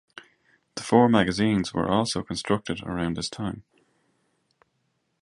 The four magazines were also constructed around this time.